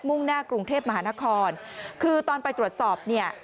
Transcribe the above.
่งหน้ากรุงเทพมหานครคือตอนไปตรวจสอบเนี่ย